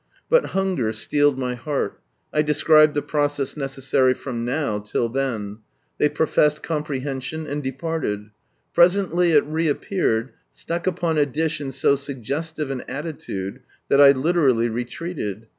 But hunger steeled my heart I described the process necessary from now, till t/ieti. They professed compre hension, and departed. Presently it reappeared, stuck upon a dish in so suggestive an attitude that I literally retreated.